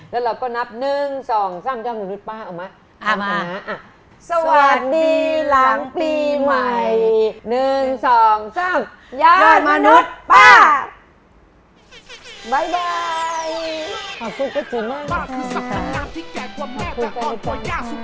แล้วเราก็นับ๑๒๓ยาวมนุษย์ป้าเอาไหม